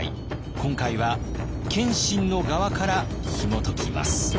今回は謙信の側からひもときます。